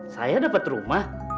saya dapat rumah